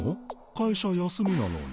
会社休みなのに。